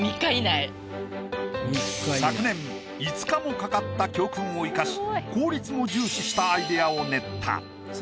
昨年５日もかかった教訓を生かし効率も重視したアイデアを練った。